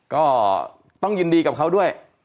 ก็ต้องยินดีกับเขาด้วย